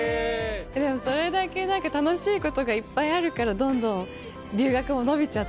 それだけ何か楽しいことがいっぱいあるからどんどん留学も延びちゃったっていう。